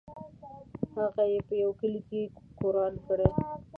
هغه یې په یوه کلي کې ګوروان کړی.